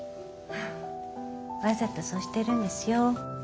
わざとそうしてるんですよ。